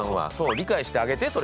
理解してあげてそれは。